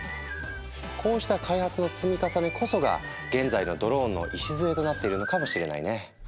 こうした開発の積み重ねこそが現在のドローンの礎となっているのかもしれないね。